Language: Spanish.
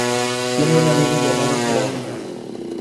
Tiene un amigo llamado Jerónimo.